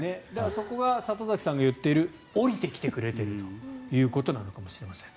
そこが里崎さんが言っている下りてきてくれているということなのかもしれません。